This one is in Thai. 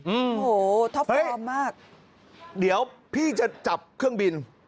โอ้โหท็อปฟอร์มมากเดี๋ยวพี่จะจับเครื่องบิน